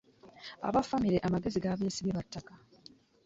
Abaffamire amagezi gabeesibye lwa ttaka.